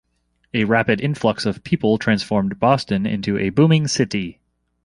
A rapid influx of people transformed Boston into a booming city.